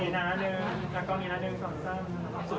มานานา๑แล้วก็นานา๑๒๓